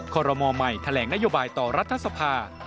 ขอรมอลใหม่แถลงนโยบายต่อรัฐสภา